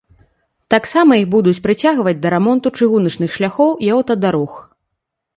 Таксама іх будуць прыцягваць да рамонту чыгуначных шляхоў і аўтадарог.